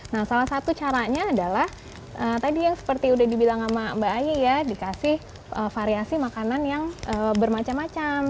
nah salah satu caranya adalah tadi yang seperti udah dibilang sama mbak ayu ya dikasih variasi makanan yang bermacam macam